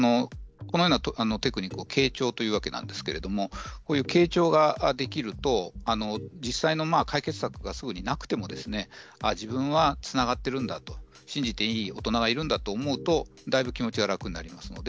このようなテクニックを傾聴といいますがこういう傾聴ができると実際の解決策がなくても自分はつながっているんだ、信じていい大人がいるんだと思うとだいぶ気持ちは楽になります。